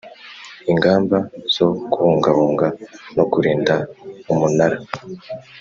Ingamba zo kubungabunga no kurinda umunara